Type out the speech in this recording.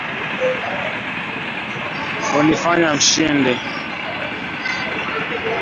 hunifanya Mshindi.